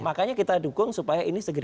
makanya kita dukung supaya ini segera